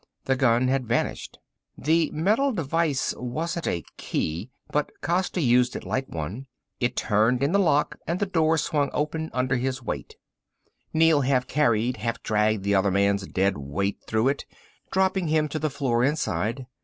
The gun had vanished. The metal device wasn't a key, but Costa used it like one. It turned in the lock and the door swung open under their weight. Neel half carried, half dragged the other man's dead weight through it, dropping him to the floor inside.